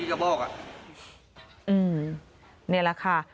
นี่แหละค่ะ